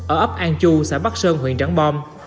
ở ấp an chu xã bắc sơn huyện trắng bom